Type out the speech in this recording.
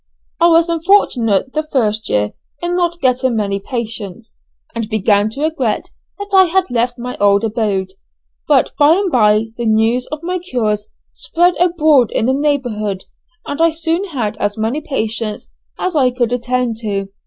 I was unfortunate the first year in not getting many patients, and began to regret that I had left my old abode. But by and bye the news of my cures spread abroad in the neighbourhood, and I soon had as many patients as I could attend to.